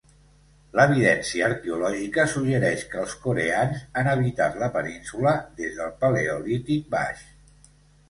L'evidència arqueològica suggereix que els coreans han habitat la península des del Paleolític Baix.